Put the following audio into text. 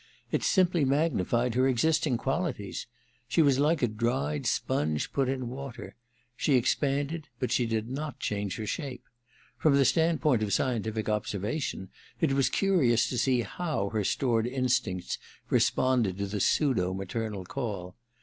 It simply magnified her existing qualities. I She was like a dried sponge put in water : she expanded, but she did not change her shape. From the stand point of scientific observation it was curious to see how her stored instincts re sponded to the pseudo maternal call.